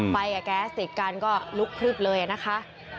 ไปกับแก๊สคราวที่รูปชำเลยนะคะ